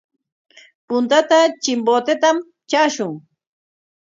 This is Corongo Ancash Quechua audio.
Puntata Chimbotetam traashun.